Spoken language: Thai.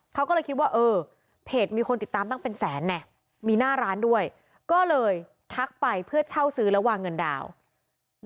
เขาก็เลยคิดว่าเออเพจมีคนติดตามตั้งเป็นแสนเนี่ยมีหน้าร้านด้วยก็เลยทักไปเพื่อเช่าซื้อแล้ววางเงินดาวน์